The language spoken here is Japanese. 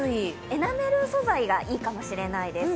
エナメル素材がいいかもしれないです。